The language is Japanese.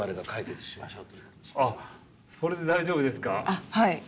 あっはい。